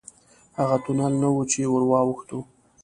هغه تونل نه و چې ورواوښتو.